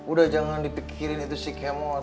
udah jangan dipikirin itu si kemon